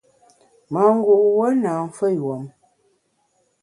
Mangu’ wuon na mfeyùom.